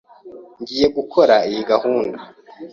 Ngiye gukora iyi gahunda.